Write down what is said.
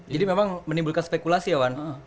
jadi memang menimbulkan spekulasi ya wan